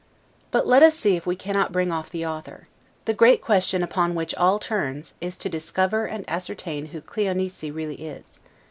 But let us see if we cannot bring off the author. The great question upon which all turns, is to discover and ascertain who Cleonice really is.